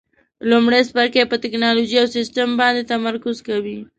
لومړی څپرکی په ټېکنالوجي او سیسټم باندې تمرکز کوي.